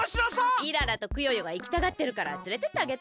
イララとクヨヨがいきたがってるからつれてってあげて！